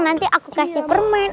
nanti aku kasih permen